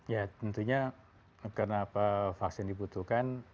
ya tentunya karena apa vaksin dibutuhkan